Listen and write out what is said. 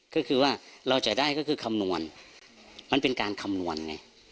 ก็คือว่าเราจะได้ก็คือคำนวณมันเป็นการคำนวณไง